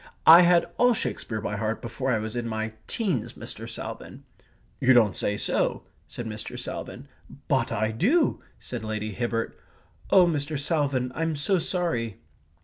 I had all Shakespeare by heart before I was in my teens, Mr. Salvin!" "You don't say so," said Mr. Salvin. "But I do," said Lady Hibbert. "Oh, Mr. Salvin, I'm so sorry...."